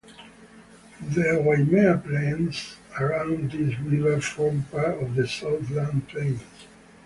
The Waimea Plains around this river form part of the Southland Plains.